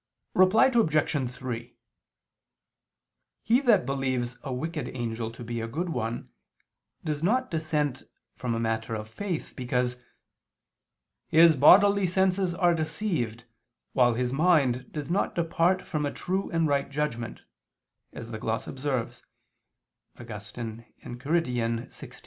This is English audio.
Reply Obj. 3: He that believes a wicked angel to be a good one, does not dissent from a matter of faith, because "his bodily senses are deceived, while his mind does not depart from a true and right judgment" as the gloss observes [*Augustine, Enchiridion lx].